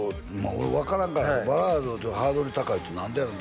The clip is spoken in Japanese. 俺分からんからバラードハードル高いって何でやの？